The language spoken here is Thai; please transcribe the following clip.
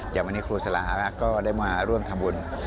อย่างวันนี้ครูสลาฮารักษ์ก็ได้มาร่วมทำบุญ